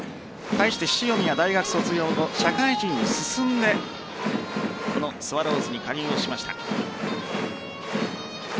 対して塩見は大学卒業後社会人に進んでこのスワローズに加入をしました。